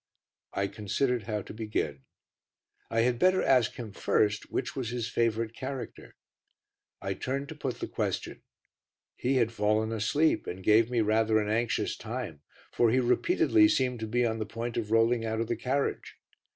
I considered how to begin. I had better ask him first which was his favourite character. I turned to put the question. He had fallen asleep, and gave me rather an anxious time, for he repeatedly seemed to be on the point of rolling out of the carriage.